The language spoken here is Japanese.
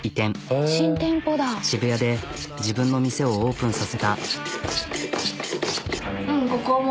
渋谷で自分の店をオープンさせた。